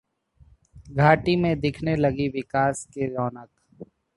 घाटी में दिखने लगी विकास की रौनक